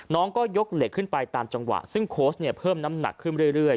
น้องก็ยกเหล็กขึ้นไปตามจังหวะซึ่งโค้ชเนี่ยเพิ่มน้ำหนักขึ้นเรื่อย